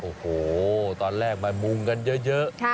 โอ้โหตอนแรกมามุงกันเยอะ